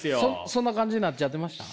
そんな感じになっちゃってました？